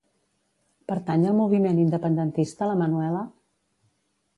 Pertany al moviment independentista la Manuela?